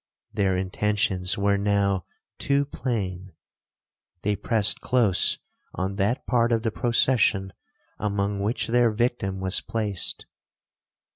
Their intentions were now too plain. They pressed close on that part of the procession among which their victim was placed.